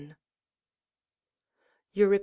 Eurip.